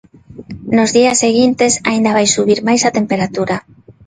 Nos días seguintes, aínda vai subir máis a temperatura.